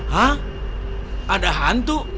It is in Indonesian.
hah ada hantu